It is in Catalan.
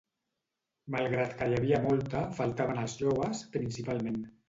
Malgrat que hi havia molta, faltaven els joves, principalment.